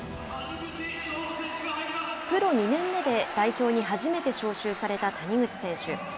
プロ２年目で、代表に初めて招集された谷口選手。